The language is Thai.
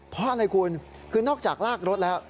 เพราะอะไรคุณคือนอกจากลากรถแล้ว